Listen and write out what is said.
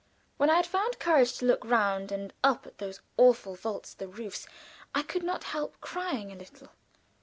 When I had found courage to look round, and up at those awful vaults the roofs, I could not help crying a little.